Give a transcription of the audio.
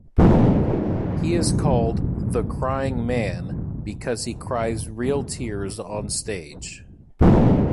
He is called "The Crying Man" because he cries real tears on stage.